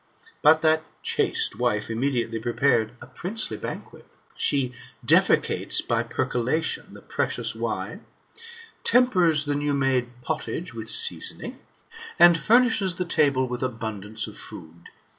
But that chaste wife immedi ately prepared a princely banquet. She defecates by percolation, the precious wine, tempers the new made pottage with seasoning, and furnishes the table with abundance of food.